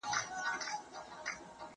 زه مخکي لاس مينځلي و.